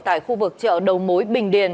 tại khu vực chợ đầu mối bình điền